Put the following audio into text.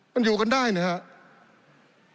มันอยู่กันได้นะครับ